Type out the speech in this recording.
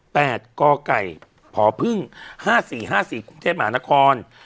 แปดก็ไก่พอพึ่งห้าสี่ห้าสี่คุณเทพหมานคร